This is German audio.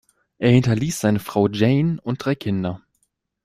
Er hinterließ seine Frau Jane und drei Kinder.